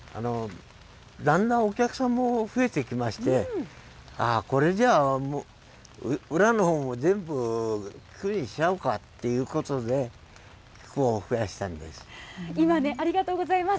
だんだんお客さんも増えてきまして、ああ、これじゃあ裏のほうも全部、菊にしちゃおうかということで、ありがとうございます。